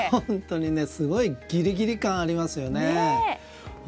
本当にすごいギリギリ感ありますよね。